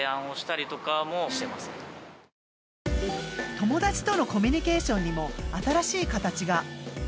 友達とのコミュニケーションにも新しい形が。